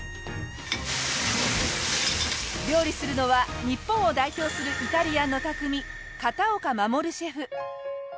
料理するのは日本を代表するイタリアンの匠片岡護シェフ。